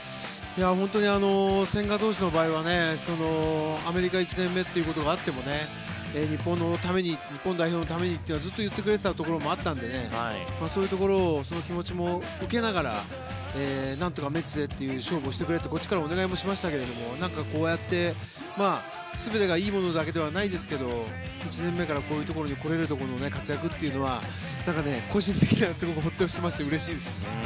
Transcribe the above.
本当に千賀投手の場合はアメリカ１年目ということがあっても日本のために日本代表のためにってずっと言ってくれていたところもあったのでそういうところをそういう気持ちも受けながらなんとかメッツで勝負をしてくれとこっちからお願いもしましたけどこうやって全てがいいことではないですけど１年目から、こういうところに来れるだけの活躍というのは個人的にはすごくホッとしていますしうれしいです。